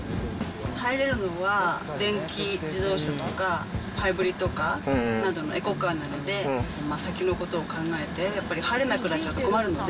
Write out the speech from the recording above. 入れるのは電気自動車とか、ハイブリッドカーなどのエコカーなので、先のことを考えて、やっぱり入れなくなっちゃうと困るので。